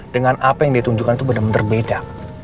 dengan apa yang ditunjukkan itu bener bener beda